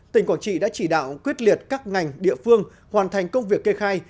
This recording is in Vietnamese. tỉnh quảng trị đã chỉ đạo quyết liệt các ngành địa phương hoàn thành công việc kê khai